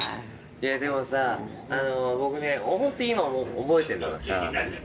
でもさ僕ねホント今覚えてんのがさ。